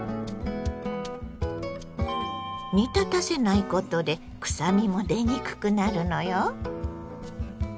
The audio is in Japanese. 煮立たせないことでくさみも出にくくなるのよ。